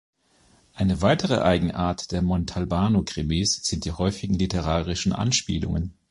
Eine weitere Eigenart der Montalbano-Krimis sind die häufigen literarischen Anspielungen.